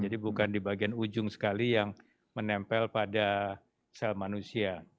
jadi bukan di bagian ujung sekali yang menempel pada sel manusia